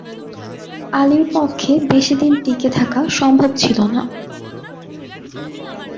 আলির পক্ষে বেশিদিন টিকে থাকা সম্ভব ছিল না।